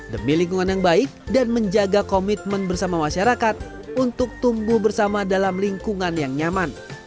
demi lingkungan yang baik dan menjaga komitmen bersama masyarakat untuk tumbuh bersama dalam lingkungan yang nyaman